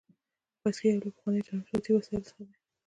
بایسکل یو له پخوانیو ترانسپورتي وسایلو څخه دی.